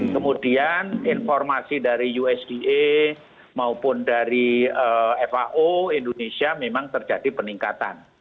kemudian informasi dari usda maupun dari fao indonesia memang terjadi peningkatan